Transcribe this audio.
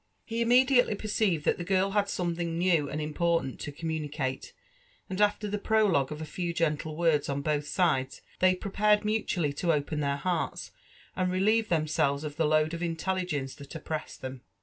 He immediately perceived that the girl had something new and im portant to communicate, and after the prologue of a few gentle words on both sides, they prepared mutually to open their hearts, and relieve themselves of the load of intdligence that oppressed them.